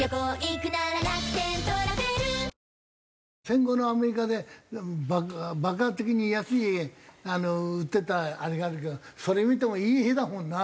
戦後のアメリカで爆発的に安い家売ってたあれがあるけどそれ見てもいい家だもんな。